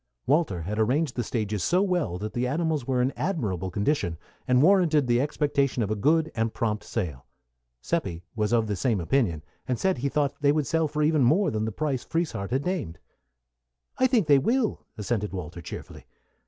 Walter had arranged the stages so well that the animals were in admirable condition, and warranted the expectation of a good and prompt sale. Seppi was of the same opinion, and said he thought they would sell for even more than the price Frieshardt had named. "I think they will," assented Walter, cheerfully.